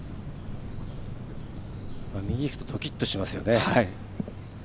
右いくとドキッとしますね。